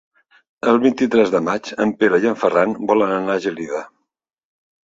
El vint-i-tres de maig en Pere i en Ferran volen anar a Gelida.